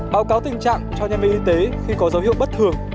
báo cáo tình trạng cho nhân viên y tế khi có dấu hiệu bất thường